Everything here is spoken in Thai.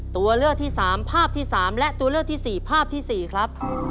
ความตอบเลยค่ะ